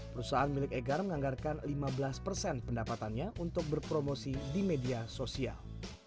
perusahaan milik egar menganggarkan lima belas persen pendapatannya untuk berpromosi di media sosial